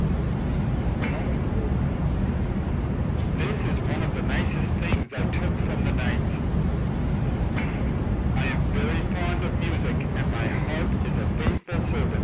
"This is one of the nicest things I took from the knight," Said the Giant. "I am very fond of music, and my harp is a faithful servant."